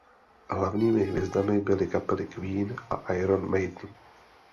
Hlavními hvězdami byly kapely Queen a Iron Maiden.